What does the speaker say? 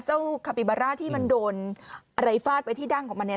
คาปิบาร่าที่มันโดนอะไรฟาดไปที่ดั้งของมันเนี่ย